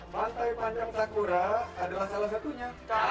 pantai panjang sakura adalah salah satunya